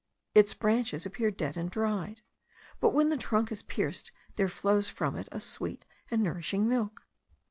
Its branches appear dead and dried; but when the trunk is pierced there flows from it a sweet and nourishing milk.